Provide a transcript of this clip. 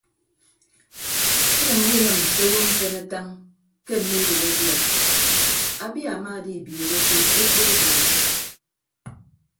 Inyʌññọ inịm se owo mfen atañ ke mmiidoho abia abia amaadibiọọrọke ekpo obioro.